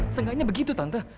seenggaknya begitu tante